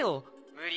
無理。